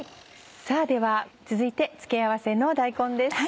では続いて付け合わせの大根です。